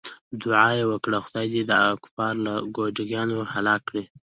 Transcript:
دعا یې وکړه خدای دې دا کفار له ګوډاګیانو هلاک کړي.